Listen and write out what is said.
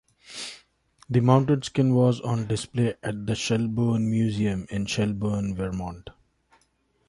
The mounted skin was on display at the Shelburne Museum in Shelburne Vermont.